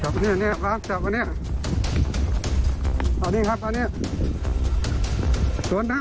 แบบนี้คือแบบนี้คือแบบนี้คือแบบนี้คือ